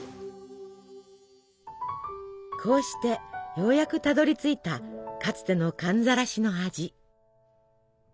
こうしてようやくたどりついたかつての寒ざらしの味。